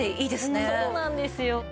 そうなんですよ。